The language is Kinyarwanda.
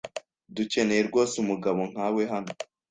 Dukeneye rwose umugabo nkawe hano.